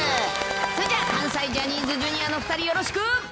それじゃ、関西ジャニーズＪｒ．の２人、よろしく。